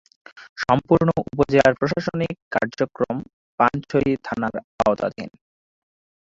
সম্পূর্ণ উপজেলার প্রশাসনিক কার্যক্রম পানছড়ি থানার আওতাধীন।